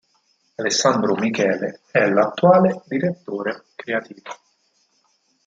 Alessandro Michele è l'attuale direttore creativo.